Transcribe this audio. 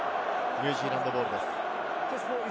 ニュージーランドボールです。